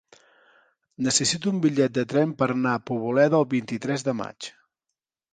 Necessito un bitllet de tren per anar a Poboleda el vint-i-tres de maig.